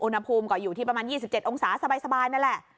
อุณหภูมิก็อยู่ที่ประมาณ๒๗องศาสบายนั่นแหละ